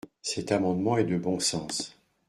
Cet amendement est de bon sens.